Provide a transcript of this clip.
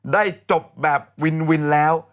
ได้จบแบบวินวินแล้ว